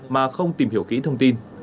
mà không tìm hiểu kỹ thông tin